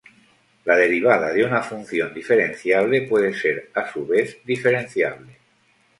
La derivada de una función diferenciable puede ser, a su vez, diferenciable.